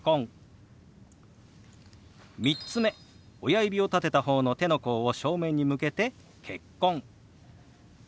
親指を立てた方の手の甲を正面に向けて「結婚」。